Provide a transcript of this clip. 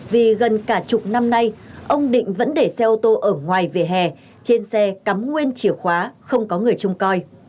vì gần cả chục năm nay ông định vẫn để xe ô tô ở ngoài vỉa hè trên xe cắm nguyên chìa khóa không có người trông coi